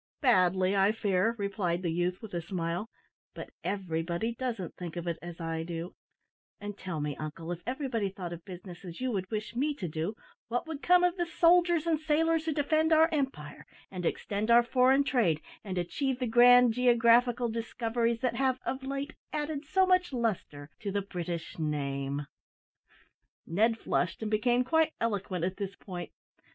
"Badly, I fear," replied the youth, with a smile; "but everybody doesn't think of it as I do; and, tell me, uncle, if everybody thought of business as you would wish me to do, what would come of the soldiers and sailors who defend our empire, and extend our foreign trade, and achieve the grand geographical discoveries that have of late added so much lustre to the British name?" Ned flushed and became quite eloquent at this point.